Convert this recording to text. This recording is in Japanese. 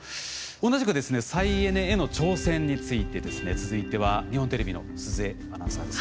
同じくですね再エネへの挑戦についてですね続いては日本テレビの鈴江アナウンサーです。